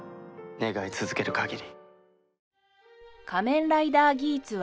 願い続ける限り。